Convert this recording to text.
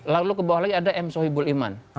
lalu ke bawah lagi ada m sohibul iman